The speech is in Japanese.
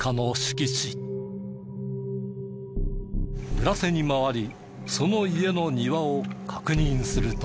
裏手に回りその家の庭を確認すると。